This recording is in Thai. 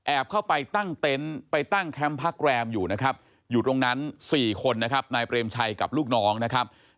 เข้าไปตั้งเต็นต์ไปตั้งแคมป์พักแรมอยู่นะครับอยู่ตรงนั้น๔คนนะครับนายเปรมชัยกับลูกน้องนะครับ